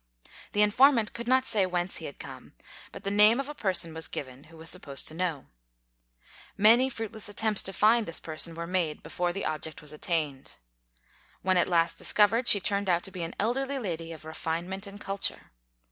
The informant could not say whence he had come, but the name of a person was given who was supposed to know. Many fruitless attempts to find this person were made before the object was attained. When at last discovered, she turned out to be an elderly lady of refinement and culture.